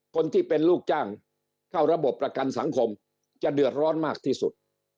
คนที่เป็นลูกจ้างเข้าระบบประกันสังคมจะเดือดร้อนมากที่สุด